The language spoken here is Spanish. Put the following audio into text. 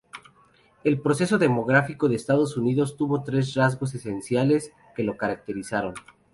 El proceso demográfico de Estados Unidos tuvo tres rasgos esenciales que lo caracterizaron.